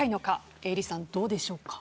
ＥＬＬＹさん、どうでしょうか。